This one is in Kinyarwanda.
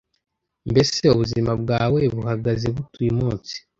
Mbese ubuzima bwawe buhagaze bute uyu munsi